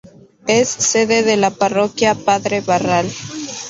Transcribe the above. Es sede de la parroquia Padre Barral.